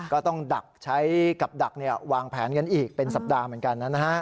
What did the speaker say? ก็ต้องดักใช้กับดักวางแผนกันอีกเป็นสัปดาห์เหมือนกันนะฮะ